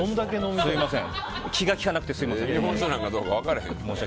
気が利かなくて、すみません。